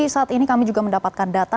saat ini kami juga mendapatkan data